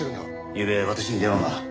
ゆうべ私に電話が。